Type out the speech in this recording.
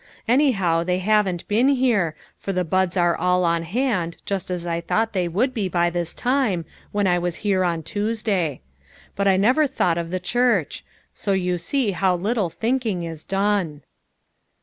Anyhow, they haven't been here, for the buds are all on hand, just as I thought they would be by this time, when I was here on Tues day. But I never thought of the church; so you see how little thinking is done."